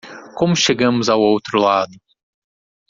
Como chegamos ao outro lado?